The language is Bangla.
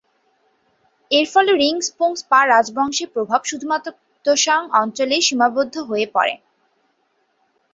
এরফলে রিং-স্পুংস-পা রাজবংশের প্রভাব শুধুমাত্র গ্ত্সাং অঞ্চলেই সীমাবদ্ধ হয়ে পড়ে।